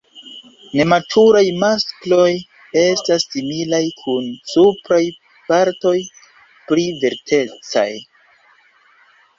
Nematuraj maskloj estas similaj kun supraj partoj pli verdecaj.